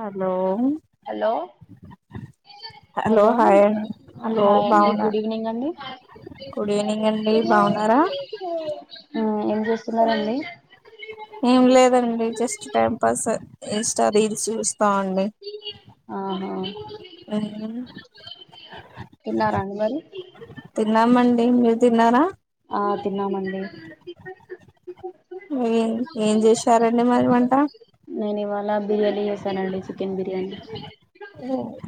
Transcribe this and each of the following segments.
Hello hello hello hi అండి hello hi అండి బాగున్నా గుడివ్నింగ్ అండి గుడ్ ఈవినింగ్ అండి బాగున్నారా ఆ ఏం చేూస్తున్నారండి ఏం లేదండి just time pass insta reels చూస్తా అండి ఆ తిన్నారా అండి మరి తిన్నామండి మీరు తిన్నారా ఆ తిన్నామండి ఏం ఏంచేసారండీ మరి వంట నేను ఇవాళ బిర్యానీ చేసానండి chicken biryani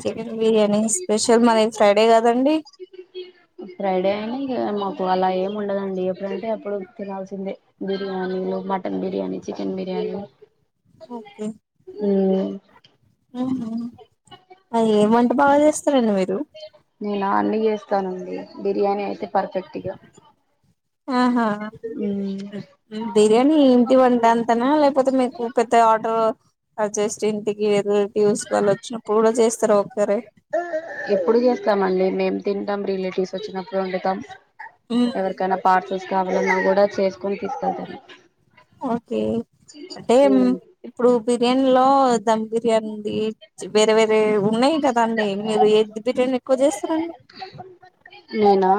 chicken biryani special మరి ఫ్రైడే కదండి ఫ్రైడే అని ఇగ మా అలా ఏం ఉండదండి ఎప్పుడంటే అప్పుడు తినాల్సిందే బిర్యానీలు మటన్ బిర్యానీ చికెన్ బిర్యా హలో అ ఏం వంట బాగా చేస్తారండి మీరు నేనా అన్నీ చేస్తానండి బిర్యానీ అయితే పర్ఫెక్ట్గా ఆహా బిర్యానీ ఏంటివంట అంతనా లేకపోతే మీకు పెద్ద ఆర్డర్ అ జస్ట్ ఇంటికి రిలేటివ్స్ వాళ్ళు వచ్చినప్పుడు కూడా చేస్తారా ఒక్కరే ఎప్పుడు చేస్తామండి మేము తింటాం రిలేటివ్స్ వచ్చినప్పుడు వండుతాం ఎవరికైనా పార్స్ కావాలన్నా కూడా చేసుకొని తీసుకెళ్తాను ఓకే అంటే ఇప్పుడు బిర్యానీ లో ధమ్ బిర్యానీ ఉంది వేరే వేరే ఉన్నాయి కదాండి మీరు ఎది బిర్యానీ ఎక్కువ చేస్తారండి నేనా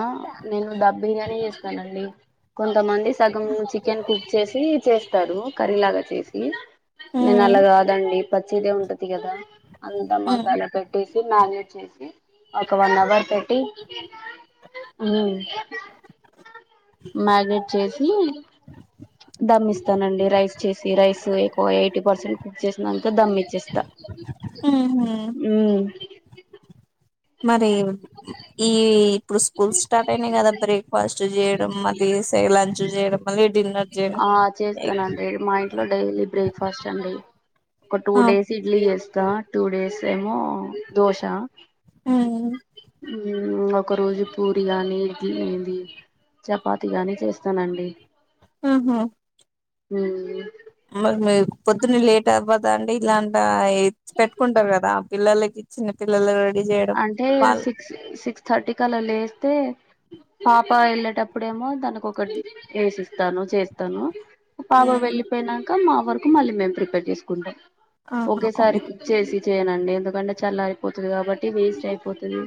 నేను దమ్ బిర్యానీ చేస్తానండి కొంతమంది సగం చికెన్ కుక్ చేసి చేస్తారు కర్రీలాగా చేసి నేను ఉమ్, అలా కాదండి పచ్చిదే ఉంటది కదా అంతా ఉమ్, మసాలా పెట్టిసి మ్యాగినేట్ చేసి ఒక వన్ అవర్ పెట్టి ఊ మ్యాగినెట్ చేసి దమ్మిస్తానండి రైస్ చేసి రైస్ ఎక్కువ ఎయిటీ పర్సెంట్ కుక్ చేసినంక దమ్ ఇచ్చేస్తా ఉహు మ్మ్ మరి ఈ ఇప్పుడు స్కూల్ స్టార్ట్ అయినాయి కదా బ్రేక్ఫాస్ట్ చేయడం మళ్ళి సె లంచ్ చేయడం మళ్ళీ డిన్నర్ చేయడం ఆ చేస్తానండి మా ఇంట్లో డైలీ బ్రేక్ఫాస్ట్ అండి ఒక టూ డేస్ ఇడ్లీ చేస్తా టూ డేస్ ఏమో దోశ ఊ ఒక రోజు పూరి గాని జి ఇది చపాతి గానీ చేస్తానండి ఆహా మ్ మరి మీ పొద్దున్న లేట్ అవ్వదా అండి ఇలాంటి పెట్టుకుంటారు కదా పిల్లలకిచ్చిన పిలో అంటే సిక్స్ సిక్స్ థర్టీకి అలా లేస్తే పాప వెళ్ళేటప్పుడేమో దానకు ఒకటి వేసిస్తాను చేస్తాను పాప ఉమ్, వెళ్ళిపోయినాక మా వరకు మళ్ళీ మేము ప్రిపేర్ చేసుకుంటాం ఆహా ఓకే ఒకేసారి కుక్ చేసి చేయనండి ఎందుకంటే చల్లారి పోతది కాబట్టి వేస్ట్ అయిపోతది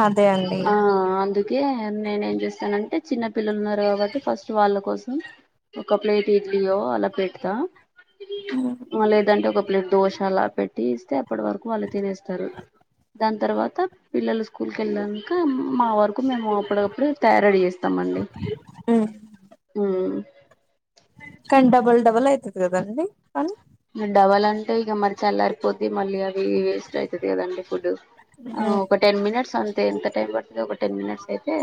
అదే అండి ఆ అందుకే నేనేం చేస్తానంటే చిన్న పిల్లలు ఉన్నారు కాబట్టి ఫస్ట్ వాళ్ళ కోసం ఒక ప్లేట్ ఇడ్లీయో అలా పెడతా ఉమ్, ఇంగ లేదంటే ఒక ప్లేట్ దోశ అలా పెట్టి ఇస్తే అప్పట్ వరకు వాళ్ళు తినేస్తరు. దాన్ తర్వాత పిల్లలు స్కూల్కెలంక మా వరకు మేము అప్పటికప్పుడు తయార్ రెడీ చేస్తామండి. మ్ కన్ డబల్ డబల్ అయితది కదండి పని మరి డవల్ అంటే ఇగ మరి చల్లారిపోద్ది మళ్ళీ అవి వేస్ట్ అయితది కదండి ఫుడ్ ఉమ్. ఒక టెన్ మినిట్స్ అంతే ఎంత టైం పడుతది ఒక టెన్ మినిట్స్ అయితే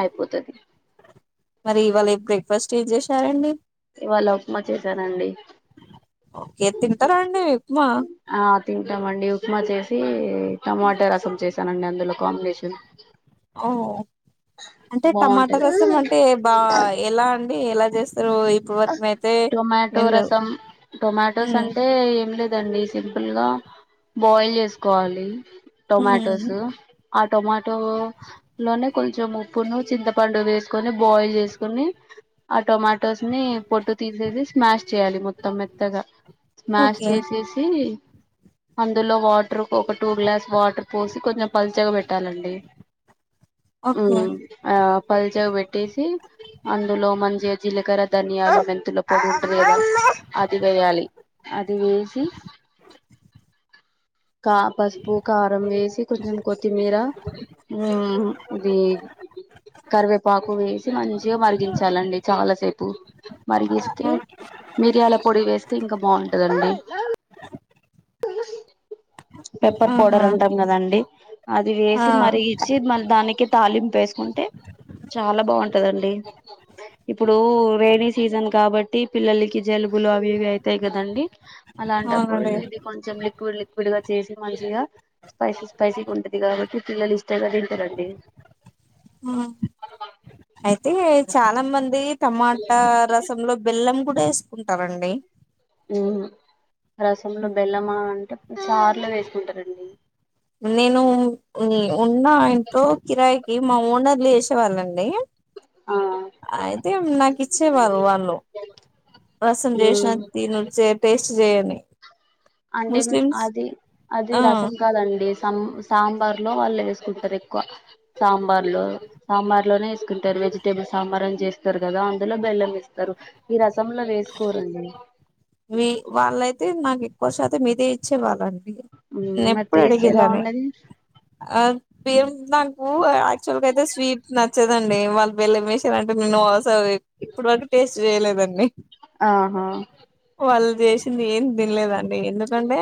అయిపోతది మరి ఇవాళ బ్రేక్ఫాస్ట్ ఏం చేశారండి ఇవాళ ఉప్మా చేశానండి ఓకే తింటారా అండి ఉప్మా ఆ తింటమండి. ఉప్మా చేస్ టమాట రసం చేసానండి అందులో కాంబినేషన్ ఓహో అంటే టమాట బాగుంటది రసం అంటే బా ఎలా అండి ఎలా చేస్తారు ఇప్పుడు వరకు అయితే టొమాటో నేను రసం టొమాటోస్ ఉమ్, అంటే ఏం లేదండి సింపుల్గా బాయిల్ చేస్కోవాలి ఉమ్, టొమాటోస్ టొమాటోలోనే కొంచం ఉప్పును, చింతపండు వేస్కోని బాయిల్ చేస్కొని ఆ టొమాటోస్ని పొట్టు తీసేసి స్మాష్ చేయాలి మొత్తం మెత్తగ స్మాష్ ఓకే చేసేసీ అందులో వాటరు ఒక టూ గ్లాస్ వాటర్ పోసి కొంచెం పల్చగ పెట్టాలండి. ఓకే మ్ ఆ పల్చగ పెట్టేసి అందులో మంచిగ జీలకర్ర ధనియాలు, మెంతుల పొడి ఉంటది గదా అది వేయాలి. అది వేసి కా పసుపు, కారం వేసి కొంచం కొత్తిమీరా మ్ ఇదీ కరివేపాకు వేసి మంచిగ మరిగించాలండి చాలాసేపు మరిగిస్తే ఓకే మిరియాల పొడి వేస్తే ఇంక బాగుంటదండి. పెప్పర్ పౌడర్ ఆహా అంటాం కదండి అది ఆ వేసి మరిగిచ్చి మళ్ దానికి తాలింప్ ఏస్కుంటే చాలా బాగుంటదండి. ఇప్పుడూ రేని సీజన్ కాబట్టి పిల్లలకి జల్ జలుబులు అవి ఇవి అయితయి కదండి. అలాంటప్పుడు అవునండి ఇది కొంచం ఎక్కు లిక్విడ్ చేసి మంచిగ స్పైసీ స్పైసీగుంటది కాబట్టి పిల్లల్ ఇష్టంగ తింటరండి. [inaudible] అయితే చాలా మంది టమాటా రసంలో బెల్లం కుడ ఏస్కుంటరండి. రసంలో బెల్లమా అంటే చార్లో వేస్కుంటరండి. నేను ఉన్న ఇంట్లో కిరాయికి మా ఓనర్ల్ ఏసేవాళ్ళండి ఆ అయితే నాకిచ్చే వాళ్ వాళ్ళు రసం చేసిన ఉమ్ తినుచ్చే టేస్ట్ చేయని అంటే ముస్లిమ్స్ అది అది ఆ రసం కాదండి. సం సాంబార్లో వాల్ ఏస్కుంటర్ ఎక్కువ సాంబార్లో సాంబార్లోనే ఏస్కుంటరు. వెజిటేబుల్ సాంబారం చేస్తారు కదా అందులో బెల్లం ఏస్తరు ఈ రసంలో వేసుకోరుండి. వీ వాళ్ళైతే నాక్ ఎక్కువ శాతం ఇదే ఇచ్చే వాళ్ళం నేన్ మరి ఎప్పుడు టేస్ట్ ఎలా అడిగేదాన్ని ఉండది ఆ పేమ్ నాకు యాక్చువల్గ అయితే స్వీట్ నచ్చదండి వాళ్ బెల్లమే అంటే నో అసలే ఇప్పుడు వరకు టేస్ట్ చేయలేదండి. ఆహా వాళ్ళు చేసింది ఏం తిన్లేదం ఎందుకంటే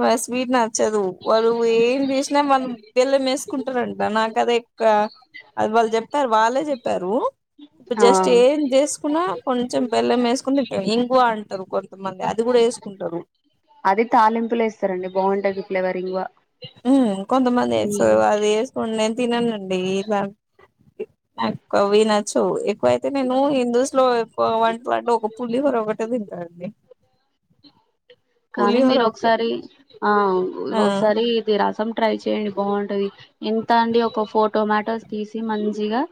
ఫస్ట్ స్వీట్ నచ్చదు వాళ్ళు ఏం చేస్ మనం బెల్లం ఏస్కుంటరంట నాక్ అదే ఎక్కా అది వాళ్ చెప్తార్ వాళ్ళే చెప్తారు. ఆ జస్ట్ ఏం చేస్కున్నా కొంచెం బెల్లం ఏస్కొన్ తింట ఇంగువ అంటరు కొం త మంది అది కూడా ఏస్కుంటరు. అది తాలింపుల ఏస్తారండి బాగుంటది ఫ్లేవర్ ఇంగువ కొంతమంది వేస్తారు అది వేసుకుే [unintelligible] తిననండి ఇలా నాకు అవి నచ్చవ్ ఎక్కువైతే నేను హిందూస్ లో [unintelligible] ఎక్ వ అంట ఒక పులి ఒకర ఒకటే తింటానుడి కానీ మీరు ఒక ఒకసారి ఆ ఆ ఒకసారి ఇది రసం ట్రై చేయండి బాగుంటది ఎంత అండి ఒక ఫోర్ టొమాటోస్ తీసి మంచిగా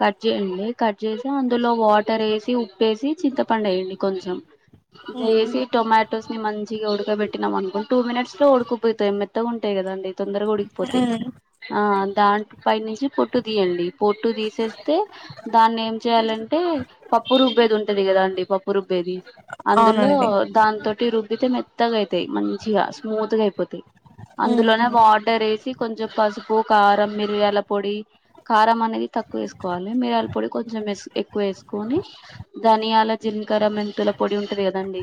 కట్ చేయండి కట్ చేసి అందులో వాటర్ వేసి ఉప్పేసి చింతపండు వేయండి కొంచెం ఉమ్ వేసి టొమాటో మంచిగా ఉడకబెట్టినాం అనుకో టూ మినిట్స్ లో ఉడుకుపోయితాయి మెత్తగా ఉంటాయి కదండి తొందరగా ఉడికిపోతయి ఉమ్ ఆ దాంట్ పై నుంచి పొట్టు తీయండి పొట్టు తీసేస్తే దాన్ని ఏం చేయాలంటే పప్పు రుబ్బ ఉంటది కదా అండి పప్పు రుబ్బేది అందులో అవునండి దాని తోటి రుబ్బితే మెత్తగా అయి తయి మంచిగా స్మూత్ గా అయిపోతాయి అందులోనే ఉమ్ వాటర్ వేసి కొంచెం పసుపు కారం మిరియాల పొడి కారం మ తక్కువ వేసుకోవాలి మిరాయాల పొడి కొంచెం ఎక్కువ వేసుకొని ధనియాల జీలకర మె మెంతుల పొడి ఉంటంది కదండి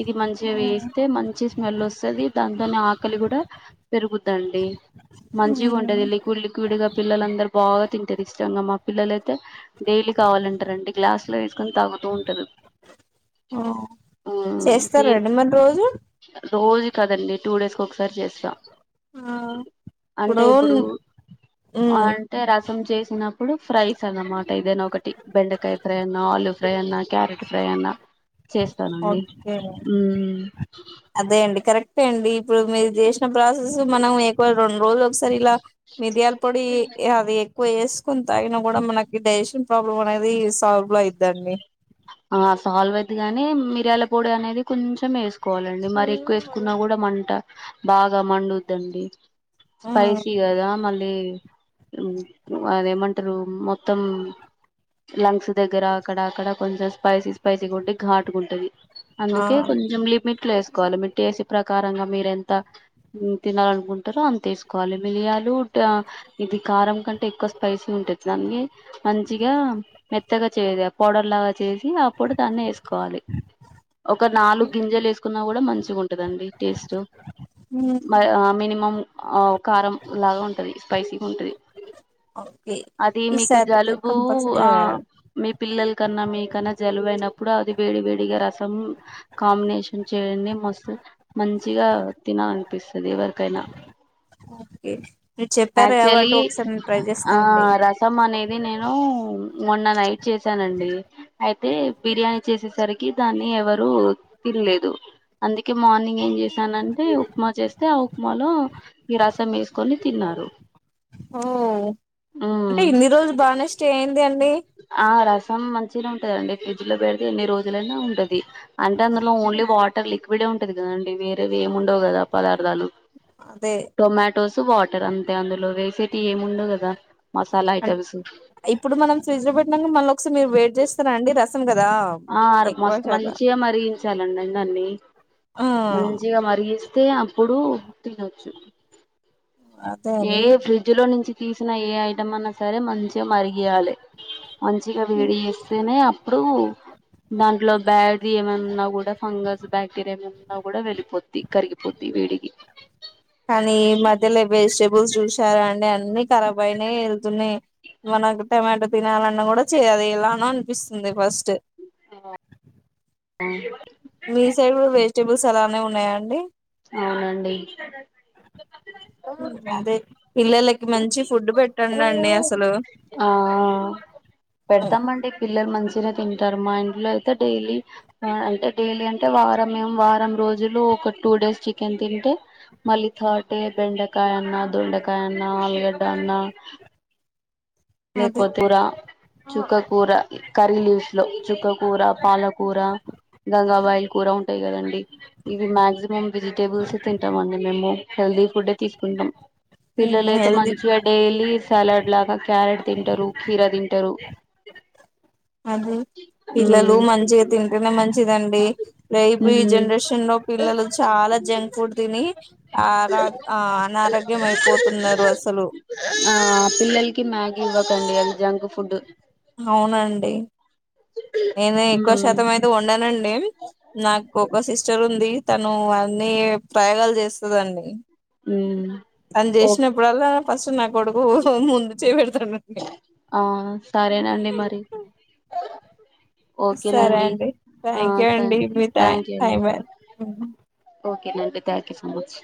ఇ మంచిగా వేస్తే మంచి స్మెల్ వస్తది దాంతోనే ఆకలి కూడా పెరుగుద్దండి మంచిగా ఉంటుంది లిక్విడ్ లిక్విడ్గా పిల్లలం దరు బాగా తింటేది గా మా పిల్లలయితే డైలీ కావాలంటారండి గ్లాస్ లో వేసుకొని తాగుతూ ఉంటారు ఆ చేస్తారా అండి మరి రోజు రోజు కాదండి టూ డేస్ కి ఒకసారి చేస్తా ఆ అంటే ఇప్పుడు ఉమ్ అంటే రసం చేసి చినప్పుడు ఫ్రైస్ అనమాట ఇదేనా ఒకటి బెండకాయ ఫ్రై అన్నా ఆల్ ఫ్రై అన్నా క్యారెట్ ఫ్రై అన్నా చేస్తానండి ఓకే మ్మ్ అదే అండి కరెక్టే అండి ఇప్పుడు మీరు చేసిన ప్రాసెస్ మనం ఎక్కువ రెండు రోజులు ఒకసారి ఇలా మిరియాల పొడి అది ఎక్కువ వేసుకుని తాగిన కూడా మనకి డైజెషన్ ప్రాబ్లం అనేది సాల్వ్ అయిదండి ఆ సాల్వ్ అయిద్ది గాని మిరియాల పొడి అనేది కొంచెం వేసుకోవాలండి మరి ఎక్కువ వేసుకున్నా కూడా మంట బాగా మండుద్దండి ఆ స్పైసీ కదా మళ్ళీ అదే మంటరు మొత్తం లంగ్స్ దగ్గర అక్కడ అక్కడ కొంచెం స్పైసీ స్పైసీ ఉంటే ఘాటుగా ఉంటది ఆ అందుకే కొంచెం లిమిట్ ట్లో వేసుకోవాలి మీ టేస్ట్ ప్రకారంగా మీరు ఎంత తినాలనుకుంటారో అంత వేసుకోవాలి మిరియాలు లు ఇది కారం కంటే ఎక్కువ స్పైసీ ఉంటది మంచిగా మెత్తగా చే పొలాగా [unintelligible] చేసి అప్పుడు దాన్ని వేసుకోవాలి ఒక నాలుగు గింజలు వేసుకున్నా కూడా మంచిగ ఉం టది అండి టేస్ట్ ఉమ్ మినిమం ఆ కారం లాగా ఉంటది స్పైసీగా ఉంటది ఓకే అది మీకు ఈసారి అయితే జలుబు ఆ కంపల్సరీ మీ పిల్లల కన్నా మీకు తన జలుబు అయినప్పుడు అది వేడి వేడిగా రసం కాంబినేషన్ చేయండి మస్తు మంచిగా తిన అనిపిస్తది ఎవరికైనా ఓకే మీరు చెప్పారు ఆక్చువలీ కాబట్టి ఒకసారి నేను ట్రై ఆ చేస్తా అండి రసం అనేది నేను మొన్న నైట్ చేశానండి అయితే బిర్యానీ చేసేసరికి దాన్ని ఎవరు తినలేదు అందుకే మార్నింగ్ ఏం చేసానంటే ఉప్మా చేస్తే ఆ ఉప్మాలో ఈ రసం వేసుకొని తిన్నా రు ఓ అంటే ఇన్ని రోజులు బానే స్టే అయింది అండి ఆ రసం మంచినే ఉంటదండి ఫ్రిడ్జ్ లో పెడితే ఎన్ని రోజులైనా ఉంటది. అంటే అందులో ఓన్లీ వాటర్ లిక్విడే ఉంటది కదండి వేరేవి ఏమి ఉండవు కదా పదార్థాలు. అదే టొమాటోస్ వాటర్ అంతే అందులో వేసెట్ టీ ఏముండవు కదా మసాలా అం ఐటెమ్స్ ఉ ఇప్పుడు మనం ఫ్రిడ్జ్ లో పెట్టనాక మలొకసారి మీరు వెట్ చేస్తారాండి రసం కదా ఆ అర్కు ఎక్కువ మస్తు శాతం మంచిగా మరిగించాలండి అందర్నీ ఆ మంచిగా మరిగిస్ తే అప్పుడు తినొచ్చు అదే ఏ అని ఫ్రిడ్జ్ లో నుంచి తీసిన ఏ ఐటమ్ అన్నా సరే మంచిగా మరిగియాలే మంచిగా వేడి చేస్తేనే అప్పుడు దాంట్లో బ్యాటరీ ఏమన్నా కూడా ఫంగస్ బ్యాక్టీరియా ఏం నా కూడా వెళ్ళిపోది కరిగిపోది వేడికి కానీ ఈ మధ్యల వెజిటేబుల్స్ చూసారా అండి అన్ని కరాబ్ అయినా వెళ్తున్నాయి మనకు టమాటో తినాలన్నా కూడా చి అది ఎలానో అనిపిస్తుంది ఫస్ట్ తిను ఎ మీ సైడ్ కూడా వెజిటేబుల్స్ అలానే ఉన్నాయా అండి అవునండి ఉ అదే పిల్లలకి మంచి ఫుడ్ పెట్టండి అండి అసలు ఆ ఆ పెడతామ అండి పిల్లలు మంచి తిన తింటారు మా ఇంట్లో అయితే డైలీ అంటే డైలీ అంటే వారం మేం వారం రోజులో ఒక టూ డేస్ చికెన్ తింటే మళ్ళీ తాడే బెండకాయ అన్న దొండకాయ అన్నా ఆలుగడ్డ అన్నా లేక్ అదే పోతు రా చుక్క కూర కరీ లీఫ్స్ లో చుక్క కూూర పాలకూర గంగాబాయిల్ కూర ఉంటాయి కదండి ఇవి మా్యాక్సిమం వెజిటేబుల్స్ ఏ తింటాం అండి మేము హెల్దీ ఫుడ్ ఏ తీసుకుంటాం పిల్లలయితే హెల్తీ మంచిగా డైలీ సలాడ్ లాగా క్యారెట్ తింటరు కీరా తింటరు అదే పిల్లలు మంచిగా తింటేనే మంచిదండి రేపు ఈ జనరేషన్ లో పిల్ పిల్లలు చాలా జంక్ ఫుడ్ తిని ఆరగ్ ఆ అనారోగ్య అయిపోతున్నారు అసలు ఆ పిల్లలకి మ్యాగీ ఇవ్వకండి అది జంక్ ఫుడ్ అవునండి నేనే ఎక్కువ మ్మ్ శాతం అయితే వండనండి నాకు ఒక సిస్టర్ ఉంది తను అన్నీ ప్రయోగాలు చేస్తదండి మ్మ్ తను ఓ చేసినప్పుడల్లా ఫస్ట్ నా కొడుకు ముందు చేయి పెడతాడండి ఆ సరేనండి మరి సరే ఓకేనండి అండి హ థ్యాంక్ యూ స అండి మీ టై థాంక్యూ అండి టైం ఓకే కెనండి థ్యాంక్ యూ సో మచ్